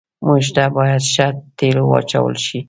موټر ته باید ښه تیلو واچول شي.